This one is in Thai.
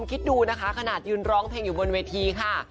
คิดดูนะคะขนาดยืนร้องเพลงอยู่บนเวทีค่ะ